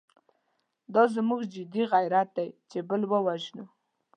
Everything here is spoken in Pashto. دا زموږ جدي غیرت دی چې بل ووژنو.